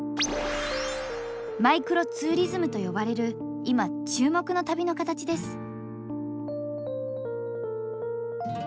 「マイクロツーリズム」と呼ばれる今注目の旅の形です。